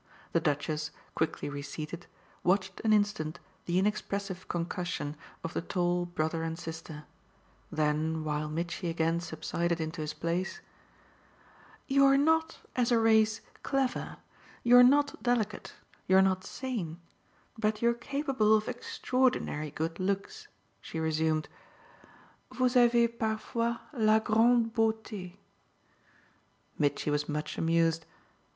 The Duchess, quickly reseated, watched an instant the inexpressive concussion of the tall brother and sister; then while Mitchy again subsided into his place, "You're not, as a race, clever, you're not delicate, you're not sane, but you're capable of extraordinary good looks," she resumed. "Vous avez parfois la grande beaute." Mitchy was much amused.